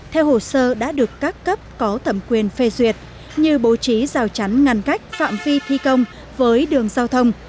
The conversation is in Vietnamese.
theo hồ sơ đã được các cấp có thẩm quyền phê duyệt như bố trí rào chắn ngăn cách phạm vi thi công với đường giao thông